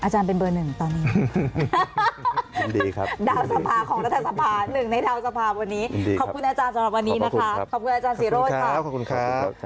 ขอบคุณค่ะ